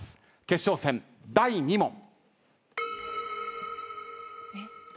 決勝戦第２問。